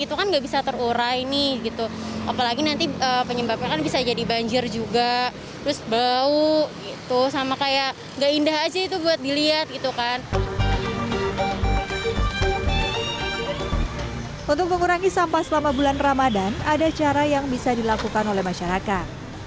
untuk mengurangi sampah selama bulan ramadan ada cara yang bisa dilakukan oleh masyarakat